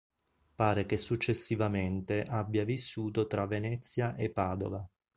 Pare che successivamente abbia vissuto tra Venezia e Padova.